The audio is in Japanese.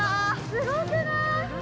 すごくなーい！？